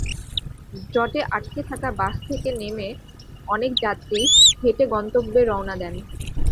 জটে আটকে থাকা বাস থেকে নেমে অনেক যাত্রী হেঁটে গন্তব্যে রওনা দেন।